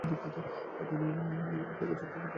আফ্রিকায় চতুষ্পদ দেবতার পুজোর প্রণালী এইরকমই।